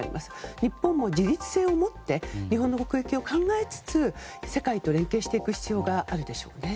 日本も自立性を持って日本の国益を考えつつ世界と連携していく必要があるでしょうね。